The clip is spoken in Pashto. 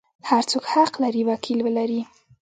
هر څوک حق لري وکیل ولري.